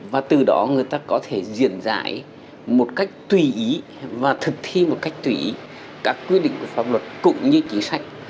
và từ đó người ta có thể diễn giải một cách tùy ý và thực thi một cách tùy ý các quy định của pháp luật cũng như chính sách